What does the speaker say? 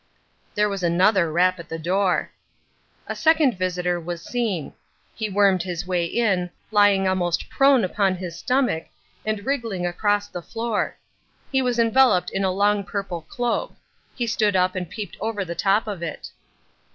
There was another rap at the door. A second visitor was seen. He wormed his way in, lying almost prone upon his stomach, and wriggling across the floor. He was enveloped in a long purple cloak. He stood up and peeped over the top of it.